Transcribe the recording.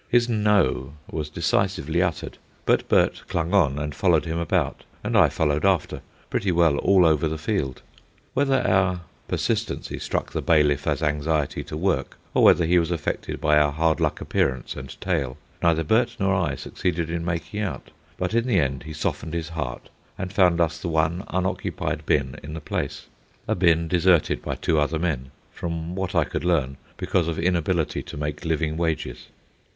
His "No" was decisively uttered; but Bert clung on and followed him about, and I followed after, pretty well all over the field. Whether our persistency struck the bailiff as anxiety to work, or whether he was affected by our hard luck appearance and tale, neither Bert nor I succeeded in making out; but in the end he softened his heart and found us the one unoccupied bin in the place—a bin deserted by two other men, from what I could learn, because of inability to make living wages.